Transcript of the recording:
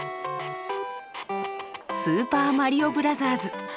「スーパーマリオブラザーズ」。